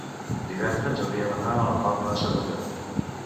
divendres hauria d'anar a la Palma de Cervelló.